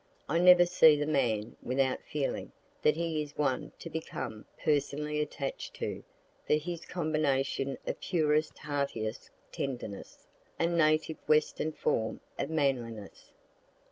(I never see that man without feeling that he is one to become personally attach'd to, for his combination of purest, heartiest tenderness, and native western form of manliness.)